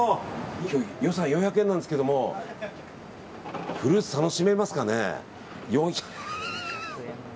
今日、予算４００円なんですけどフルーツ楽しめますかね。